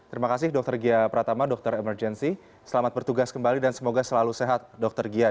terima kasih dokter gia pratama dr emergency selamat bertugas kembali dan semoga selalu sehat dr gia